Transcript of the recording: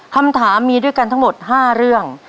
คำถามมีด้วยกันทั้งหมด๕เรื่อง